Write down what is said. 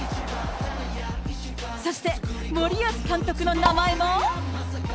そして、森保監督の名前も。